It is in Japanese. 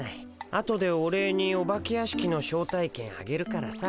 あとでお礼にお化け屋敷の招待券あげるからさハハッ。